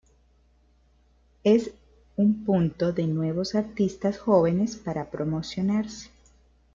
Es un punto de nuevos artistas jóvenes para promocionarse.